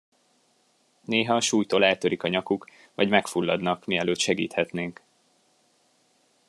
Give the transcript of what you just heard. Néha a súlytól eltörik a nyakuk, vagy megfulladnak, mielőtt segíthetnénk.